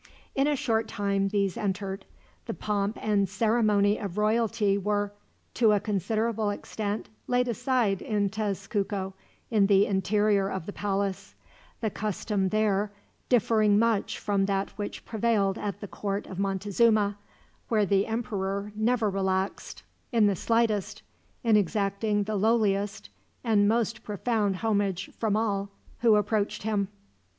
In a short time these entered. The pomp and ceremony of royalty were, to a considerable extent, laid aside in Tezcuco in the interior of the palace the custom there differing much from that which prevailed at the court of Montezuma, where the emperor never relaxed, in the slightest, in exacting the lowliest and most profound homage from all who approached him.